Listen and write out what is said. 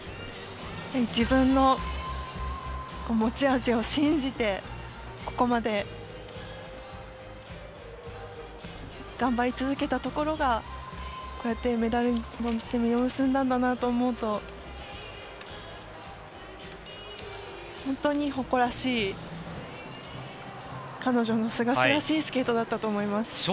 自分の持ち味を信じてここまで頑張り続けたところがこうやってメダルへ実を結んだんだなと思うと本当に誇らしい彼女のすがすがしいスケートだったと思います。